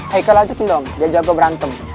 hei kalau aja cekin dong dia jago berantem